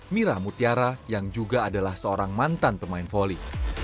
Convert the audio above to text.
mira mutiara yang juga adalah seorang mantan pemain voli